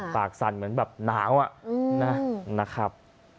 ปากสั่นเหมือนแบบหนาวอ่ะอืมนะครับ